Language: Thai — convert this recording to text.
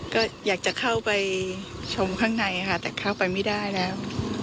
ก็อยากจะเข้าไปชมข้างในค่ะแต่เข้าไปไม่ได้แล้ว